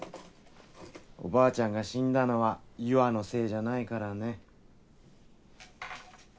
おばあちゃんが死んだのは優愛のせいじゃないからね。